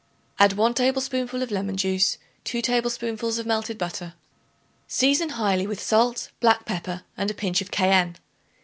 Add 1 tablespoonful of lemon juice, 2 tablespoonfuls of melted butter. Season highly with salt, black pepper and a pinch of cayenne.